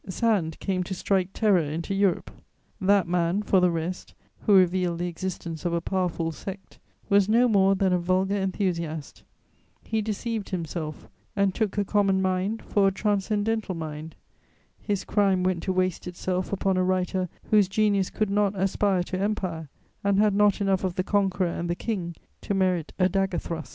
Sand came to strike terror into Europe. That man, for the rest, who revealed the existence of a powerful sect, was no more than a vulgar enthusiast; he deceived himself and took a common mind for a transcendental mind: his crime went to waste itself upon a writer whose genius could not aspire to empire and had not enough of the conqueror and the king to merit a dagger thrust.